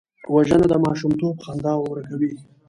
وژنه د ماشومتوب خندا ورکوي